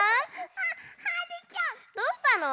えどうしたの？